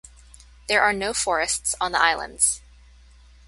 There are no forests on the islands.